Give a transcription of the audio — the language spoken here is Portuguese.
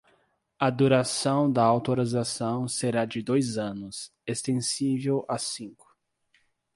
A duração da autorização será de dois anos, extensível a cinco.